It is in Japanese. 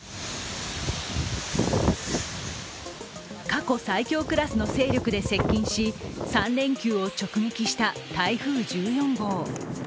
過去最強クラスの勢力で接近し３連休を直撃した台風１４号。